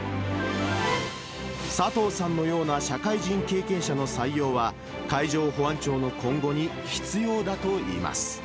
佐藤さんのような社会人経験者の採用は、海上保安庁の今後に必要だといいます。